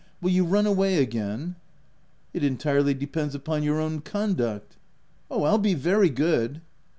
" Will you run away again ?" 94 It entirely depends upon your own con duct." "Oh, Pll be very good."